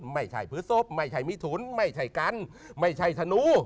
ไม่ใช่พฤศพไม่ใช่มิถุนไม่ใช่กันไม่ใช่ธนู